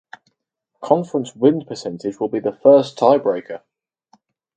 Conference win percentage will be the first tiebreaker.